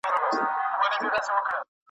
د ګیدړ تر ناز د زمري څيرل ښه دي `